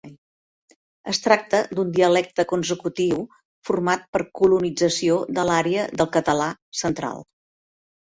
Es tracta d'un dialecte consecutiu format per colonització de l'àrea del català central.